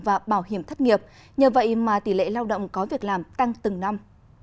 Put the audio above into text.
và bảo hiểm thất nghiệp nhờ vậy mà tỷ lệ lao động có việc làm tăng từng năm